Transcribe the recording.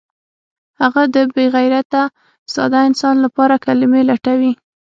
هغه د بې غیرته ساده انسان لپاره کلمې لټولې